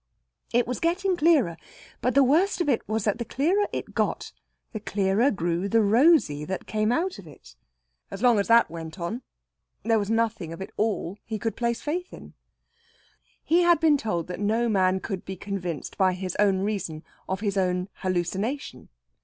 It was getting clearer; but the worst of it was that the clearer it got, the clearer grew the Rosey that came out of it. As long as that went on, there was nothing of it all he could place faith in. He had been told that no man could be convinced, by his own reason, of his own hallucination.